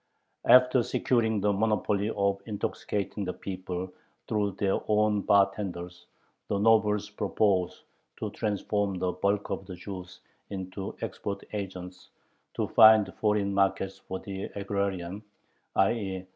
After securing the monopoly of intoxicating the people through their own bartenders, the nobles propose to transform the bulk of the Jews into export agents, to find foreign markets for the agrarian, _i.